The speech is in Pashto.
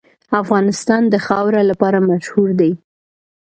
افغانستان د خاوره لپاره مشهور دی.